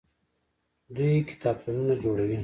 دوی کتابتونونه جوړوي.